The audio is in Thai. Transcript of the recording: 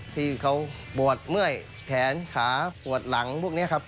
ที่เขาปวดเมื่อยแขนขาปวดหลังพวกนี้ครับ